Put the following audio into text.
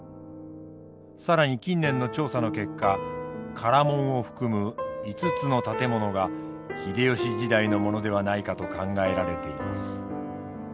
更に近年の調査の結果唐門を含む５つの建物が秀吉時代のものではないかと考えられています。